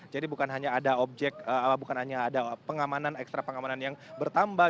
jadi bukan hanya ada objek bukan hanya ada pengamanan ekstra pengamanan yang bertambah